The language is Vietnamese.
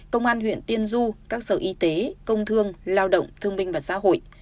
công an huyện tiên du các sở y tế công thương lao động thương minh và xã hội